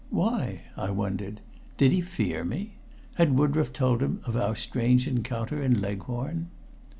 Why? I wondered. Did he fear me? Had Woodroffe told him of our strange encounter in Leghorn?